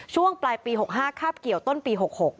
ช่วงปลายปี๖๕คาบเกี่ยวต้นปี๖๖